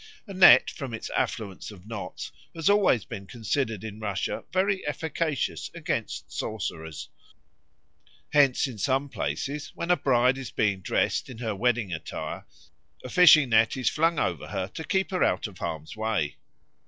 A net, from its affluence of knots, has always been considered in Russia very efficacious against sorcerers; hence in some places, when a bride is being dressed in her wedding attire, a fishing net is flung over her to keep her out of harm's way.